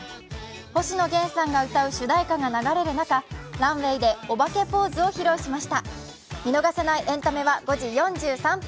星野源さんが歌う主題歌が流れる中、ランウェイでおばけポーズを披露しました。